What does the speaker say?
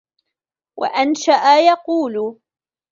وَأَنْشَأَ يَقُولُ